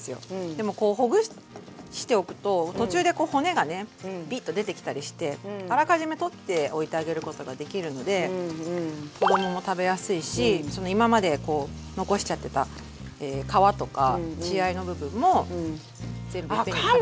でもこうほぐしておくと途中でこう骨がねビッと出てきたりしてあらかじめ取っておいてあげることができるので子供も食べやすいし今までこう残しちゃってた皮とか血合いの部分も全部いっぺんに食べられちゃう。